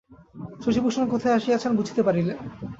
শশিভূষণ কোথায় আসিয়াছেন, বুঝিতে পারিলেন।